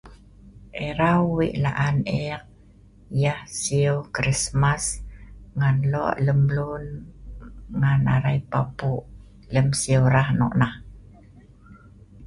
Erau wei la'an eek yah sieu Krismas ngan loe' lemluen ngan arai papu' lem sieu rah noknah.